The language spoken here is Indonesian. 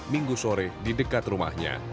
minggu sore di dekat rumahnya